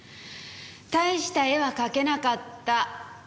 大した絵は描けなかった。